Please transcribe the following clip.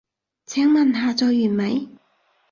請問下載完未？